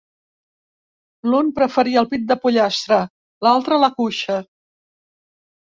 L'un preferia el pit del pollastre, l'altre la cuixa.